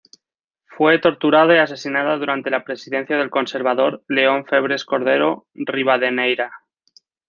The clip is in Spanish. Fue torturada y asesinada durante la presidencia del conservador León Febres-Cordero Ribadeneyra.